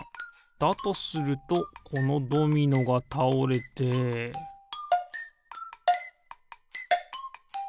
だとするとこのドミノがたおれてピッ！